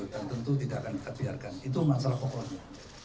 dan tentu tidak akan kita biarkan itu masalah pokoknya